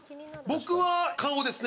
僕は顔ですね。